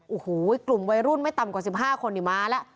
โอ้โหกลุ่มวัยรุ่นไม่ต่ำกว่า๑๕คนนี่มาแล้ว